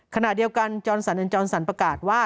ขณะเดียวกันจรสันแอนจรสันประกาศว่า